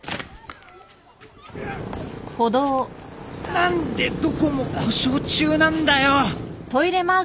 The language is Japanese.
何でどこも故障中なんだよ！